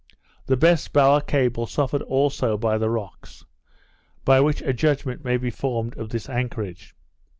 The best bower cable suffered also by the rocks; by which a judgment may be formed of this anchorage.